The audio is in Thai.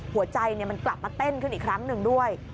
หัวใจมันกลับมาเต้นขึ้นอีกครั้งหนึ่งด้วย